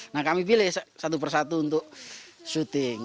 nah kami pilih satu persatu untuk syuting